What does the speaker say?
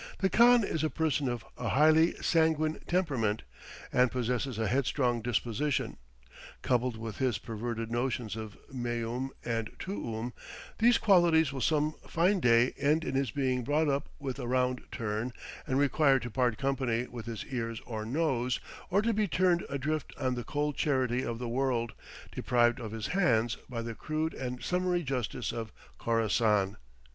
The khan is a person of a highly sanguine temperament and possesses a headstrong disposition; coupled with his perverted notions of meum and tuum, these qualities will some fine day end in his being brought up with a round turn and required to part company with his ears or nose, or to be turned adrift on the cold charity of the world, deprived of his hands by the crude and summary justice of Khorassan.